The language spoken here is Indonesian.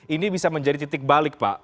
ini bisa menjadi titik balik pak